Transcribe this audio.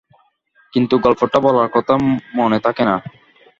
কিন্তু গল্পটা বলার কথা মনে থাকে না!